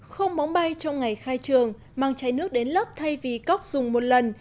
không bóng bay trong ngày khai trường mang chai nước đến lớp thay vì cóc dùng một lần